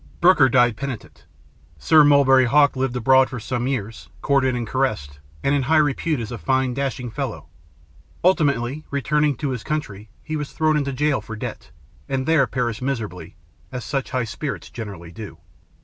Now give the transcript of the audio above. Brooker died penitent. Sir Mulberry Hawk lived abroad for some years, courted and caressed, and in high repute as a fine dashing fellow. Ultimately, returning to this country, he was thrown into jail for debt, and there perished miserably, as such high spirits generally do.